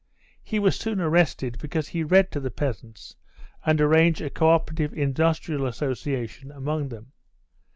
He was soon arrested because he read to the peasants and arranged a co operative industrial association among them.